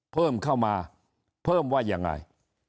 เพิ่มเข้ามาเพิ่มว่ายังไง